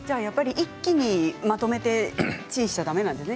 一気にまとめてチンしてはだめなんですね。